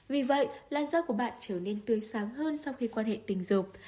vì vậy làn do của bạn trở nên tươi sáng hơn sau khi quan hệ tình dục